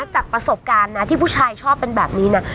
จากประสบการณ์นะที่ผู้ชายชอบเป็นแบบนี้นะ